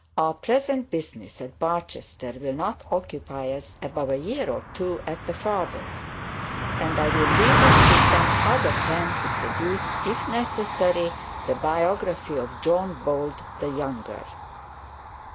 Our present business at Barchester will not occupy us above a year or two at the furthest, and I will leave it to some other pen to produce, if necessary, the biography of John Bold the Younger.